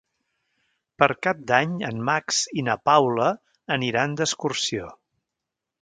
Per Cap d'Any en Max i na Paula aniran d'excursió.